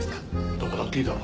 どこだっていいだろ。